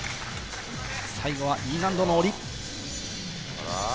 最後はＥ難度の下り。